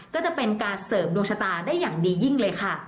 ก็จะเป็นการเสริมดวงชะตาได้อย่างดียิ่งเลยค่ะ